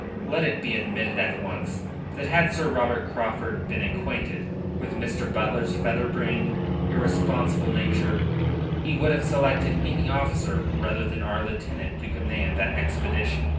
Let it be admitted at once that had Sir Robert Craufurd been acquainted with Mr. Butler's feather brained, irresponsible nature, he would have selected any officer rather than our lieutenant to command that expedition.